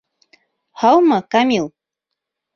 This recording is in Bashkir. Һаумы, Камил!